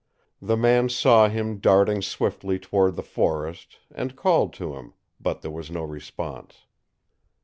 The man saw him darting swiftly toward the forest, and called to him, but there was no response.